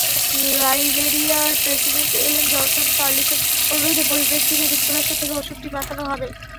লাইবেরিয়ার president Ellen Johnson সার্লিফের অনুরোধের পরিপ্রেক্ষিতে যুক্তরাষ্ট্র থেকে ওষুধটি পাঠানো হবে।